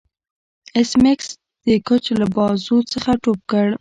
ایس میکس د کوچ له بازو څخه ټوپ کړ